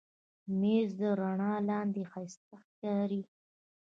مېز د رڼا لاندې ښایسته ښکاري.